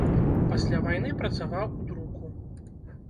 Пасля вайны працаваў у друку.